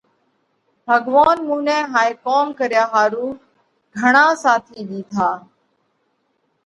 ڀڳوونَ مُون نئہ هائي ڪوم ڪريا ۿارُو گھڻا ساٿِي ۮِيڌاھ۔